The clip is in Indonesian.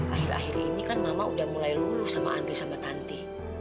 akhir akhir ini kan mama udah mulai lulus sama andri sama tanti